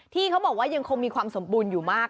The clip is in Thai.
ที่เขาบอกว่ายังคงมีความสมบูรณ์อยู่มาก